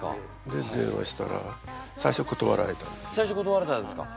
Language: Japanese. で電話したら最初ことわられたんですか。